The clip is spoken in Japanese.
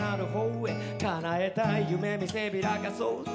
「叶えたい夢見せびらかそうぜ」